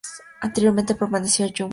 Anteriormente perteneció a Yum!